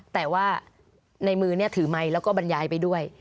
แต่ว่าในมือถือไมค์แล้วก็บรรยายไปด้วย